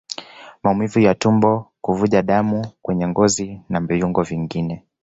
Maumivu ya tumbo Kuvuja damu kwenye ngozi na viungo vingine